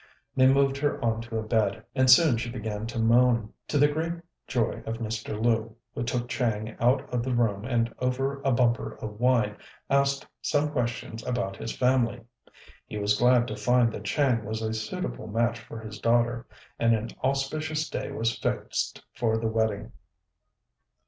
They moved her on to a bed, and soon she began to moan, to the great joy of Mr. Lu, who took Chang out of the room and, over a bumper of wine, asked some questions about his family. He was glad to find that Chang was a suitable match for his daughter, and an auspicious day was fixed for the wedding.